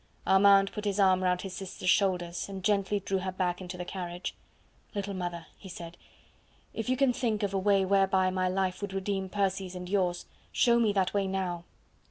Armand put his arm round his sister's shoulders and gently drew her back into the carriage. "Little mother," he said, "if you can think of a way whereby my life would redeem Percy's and yours, show me that way now."